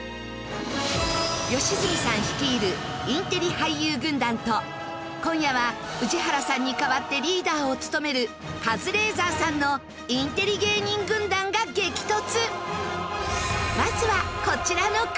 良純さん率いるインテリ俳優軍団と今夜は宇治原さんに代わってリーダーを務めるカズレーザーさんのインテリ芸人軍団が激突。